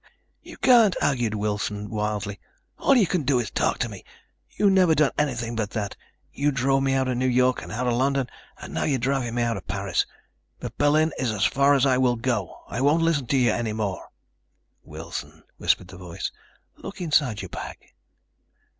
"You can't," argued Wilson wildly. "All you can do is talk to me. You've never done anything but that. You drove me out of New York and out of London and now you're driving me out of Paris. But Berlin is as far as I will go. I won't listen to you any more." "Wilson," whispered the voice, "look inside your bag.